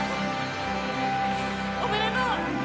おめでとう！